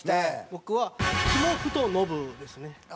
僕は「キモ太ノブ」ですね。